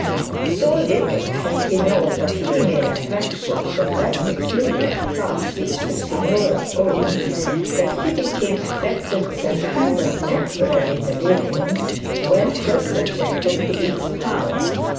So little had he known of female attractions of that peculiar class which the signora owned, that he became affected with a temporary delirium, when first subjected to its power.